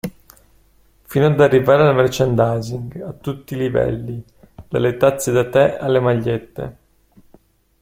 Fino ad arrivare al merchandising (a tutti i livelli, dalle tazze da the alle magliette).